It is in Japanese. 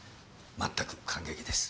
全く感激です。